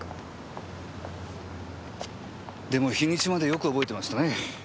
でも日にちまでよく覚えてましたね。